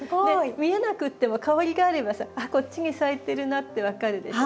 見えなくっても香りがあればさ「あっこっちに咲いてるな」って分かるでしょ？